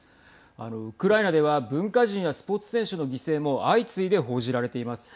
ウクライナでは文化人やスポーツ選手の犠牲も相次いで報じられています。